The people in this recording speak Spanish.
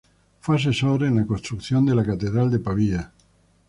Fue asesor en la construcción de la catedral de Pavía.